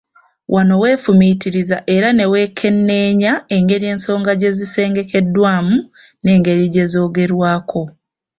Wano weefumiitiriza era ne weekenneenya engeri ensonga gye zisengekeddwamu n’engeri gye zoogerwako.